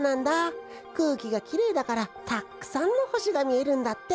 くうきがきれいだからたっくさんのほしがみえるんだって。